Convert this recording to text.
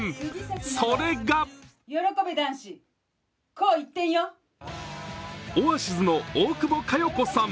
それがオアシズの大久保佳代子さん。